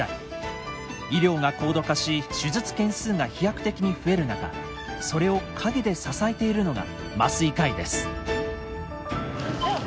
医療が高度化し手術件数が飛躍的に増える中それを陰で支えているのが麻酔科医です。